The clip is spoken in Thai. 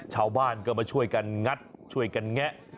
ชาวบ้านก็มาช่วยกันงัดช่วยกันแงะ